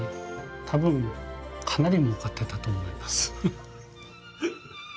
多分かなりもうかってたと思います。